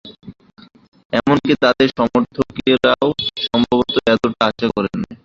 এমনকি তাদের সমর্থকেরাও সম্ভবত এতটা আশা করেনি।